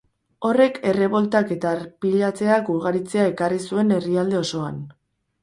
Horrek erreboltak eta arpilatzeak ugaritzea ekarri zuen herrialde osoan.